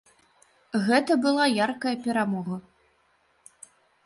Гэта была яркая перамога.